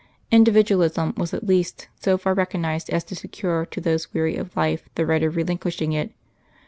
Individualism was at least so far recognised as to secure to those weary of life the right of relinquishing it.